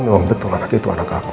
kalau memang betul anak itu anak aku